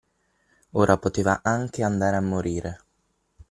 Ora poteva anche andare a morire.